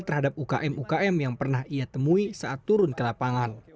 terhadap ukm ukm yang pernah ia temui saat turun ke lapangan